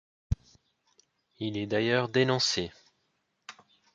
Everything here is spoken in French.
Il est d'ailleurs dénoncé.